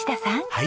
はい。